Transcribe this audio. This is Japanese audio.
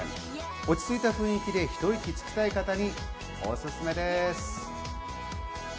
落ち着いた雰囲気でひと息つきたい方にオススメです。